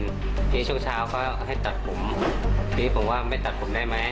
ทีนี้ช่วงเช้าก็ให้ตัดผมพี่บอกว่าไม่ตัดผมได้ไหม